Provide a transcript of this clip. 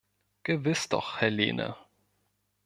Gewiss doch, Herr Lehne.